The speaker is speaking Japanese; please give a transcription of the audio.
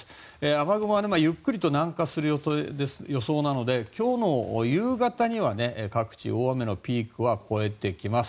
雨雲はゆっくり南下する予想なので今日の夕方には各地大雨のピークは越えてきます。